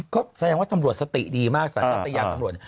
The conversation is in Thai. ก็แสดงว่าตำรวจสติดีมากสัญชาติยานตำรวจ